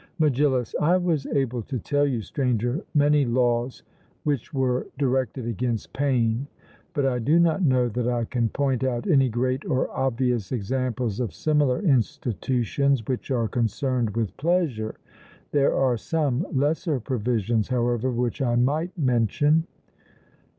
MEGILLUS: I was able to tell you, Stranger, many laws which were directed against pain; but I do not know that I can point out any great or obvious examples of similar institutions which are concerned with pleasure; there are some lesser provisions, however, which I might mention.